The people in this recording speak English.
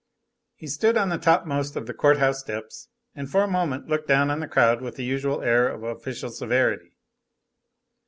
He stood on the topmost of the court house steps, and for a moment looked down on the crowd with the usual air of official severity.